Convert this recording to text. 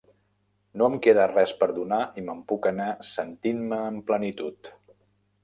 No em queda res per donar i me'n puc anar sentint-me amb plenitud.